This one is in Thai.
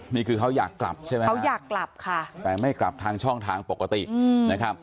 นี่คือเขาอยากกลับใช่ไหมแต่ไม่กลับทางช่องทางปกตินะครับ